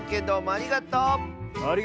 ありがとう！